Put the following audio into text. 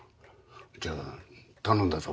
じゃあ頼んだぞ。